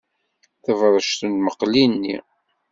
Tebṛec lmeqli-nni.